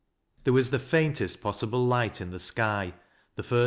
There was the faintest possible light in the sky, the first